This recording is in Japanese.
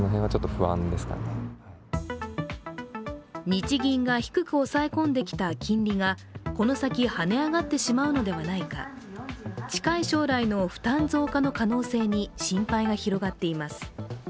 日銀が低く抑え込んできた金利がこの先はね上がってしまうのではないか近い将来の負担増加の可能性に心配が広がっています。